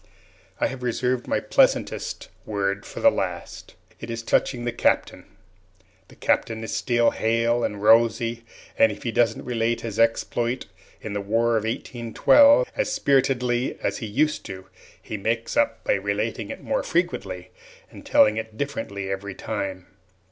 I have reserved my pleasantest word for the last. It is touching the Captain. The Captain is still hale and rosy, and if he doesn't relate his exploit in the War of 1812 as spiritedly as he used to, he makes up by relating it more frequently and telling it differently every time!